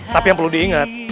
tapi yang perlu diingat